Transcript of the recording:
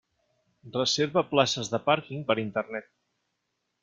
Reserva places de pàrquing per Internet.